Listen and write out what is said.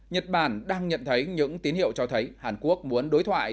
nhật bản đang nhận thấy những tín hiệu cho thấy hàn quốc muốn đối thoại